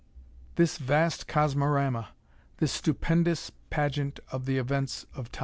This vast Cosmorama! This stupendous pageant of the events of Time!